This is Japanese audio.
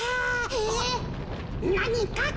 えっなにか！？